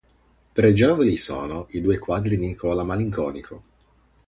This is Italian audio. Pregevoli sono i due quadri di Nicola Malinconico.